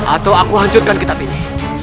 atau aku lanjutkan kitab ini